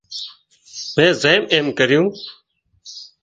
مين زي ايم ڪريون